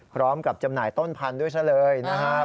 พร้อมกับจำหน่ายต้นพันธุ์ด้วยเท่าไรนะครับ